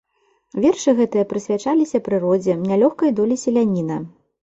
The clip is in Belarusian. Вершы гэтыя прысвячаліся прыродзе, нялёгкай долі селяніна.